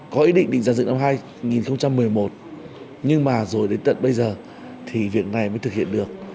có ý định định giả dựng năm hai nghìn một mươi một nhưng mà rồi đến tận bây giờ thì việc này mới thực hiện được